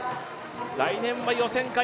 来年は予選会。